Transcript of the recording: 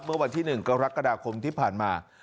เมื่อวันที่๑กรกฎาคมที่ผ่านมา